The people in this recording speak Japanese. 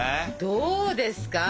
どうですか？